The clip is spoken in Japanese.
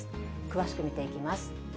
詳しく見ていきます。